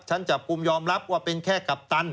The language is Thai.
จับกลุ่มยอมรับว่าเป็นแค่กัปตัน